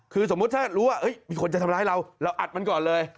คือสมมุติถ้ารู้ว่ามีคนจะทำร้ายเราเราอัดมันก่อนเลย